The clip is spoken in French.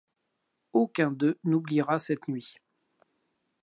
Aucun d'eux n'oubliera cette nuit.